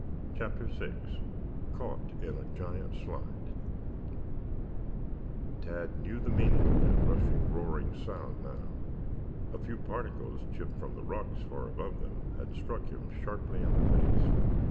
CHAPTER VI CAUGHT IN A GIANT SLIDE Tad knew the meaning of that rushing, roaring sound now. A few particles chipped from the rocks far above them had struck him sharply in the face.